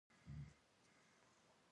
ځینې خلک عقل نه کاروي.